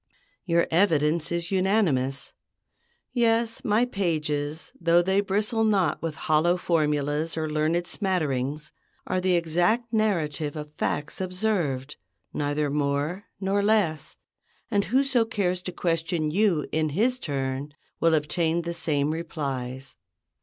Your evidence is unanimous; yes, my pages, though they bristle not with hollow formulas or learned smatterings, are the exact narrative of facts observed, neither more nor less; and whoso cares to question you in his turn will obtain the same replies.